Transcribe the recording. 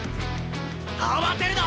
慌てるな！